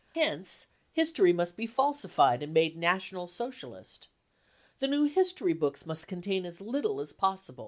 Hence history must be falsified and made National Social ist. The new history books must contain as little as possible.